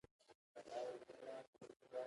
دې ډول تولید ته د توکو ساده تولید وايي.